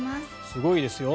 すごいですよ。